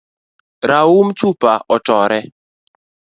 Raum chupa otore.